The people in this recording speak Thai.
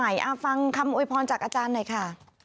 ฟังคำโวยพรจากอาจารย์หน่อยค่ะ